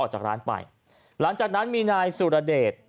หลังจากนั้นมีนายสุรเดช